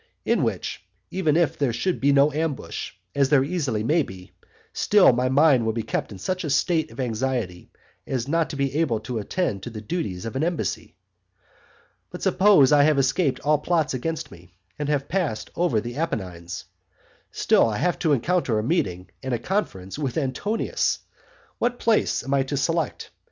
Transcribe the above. in which, even if there should be no ambush, as there easily may be, still my mind will be kept in such a state of anxiety as not to be able to attend to the duties of an embassy. But suppose I have escaped all plots against me, and have passed over the Apennines; still I have to encounter a meeting and conference with Antonius. What place am I to select?